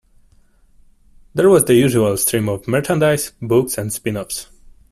There was the usual stream of merchandise, books and spin-offs.